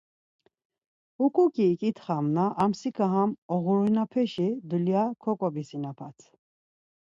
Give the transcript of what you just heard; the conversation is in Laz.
Huǩuǩi iǩitxam na, ar mtsika ham oğurinupeşi dulya koǩovisinapat.